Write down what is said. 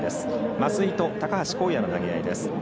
増井と高橋昂也の投げ合いです。